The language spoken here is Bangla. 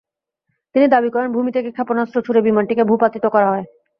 তিনি দাবি করেন, ভূমি থেকে ক্ষেপণাস্ত্র ছুড়ে বিমানটিকে ভূপাতিত করা হয়।